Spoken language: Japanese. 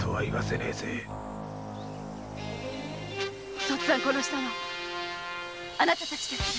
お父っつぁんを殺したのはあなたたちですね！